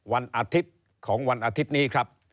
วันอาทิตย์ของวันอาทิตย์นี้ครับ